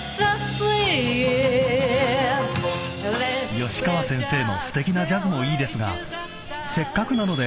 ［吉川先生のすてきなジャズもいいですがせっかくなので］